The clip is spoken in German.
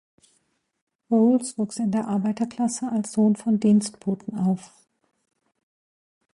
Bowles wuchs in der Arbeiterklasse als Sohn von Dienstboten auf.